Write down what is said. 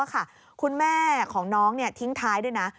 คุณแม่ของน้องทิ้งท้ายด้วยนะ